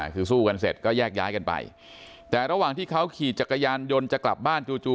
คือสู้กันเสร็จก็แยกย้ายกันไปแต่ระหว่างที่เขาขี่จักรยานยนต์จะกลับบ้านจู่